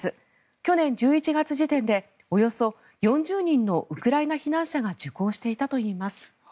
去年１１月時点でおよそ４０人のウクライナ避難者が受講していたといいます。